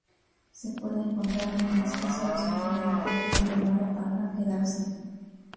Se puede entrar en la isla sólo si tiene un lugar confirmado para quedarse.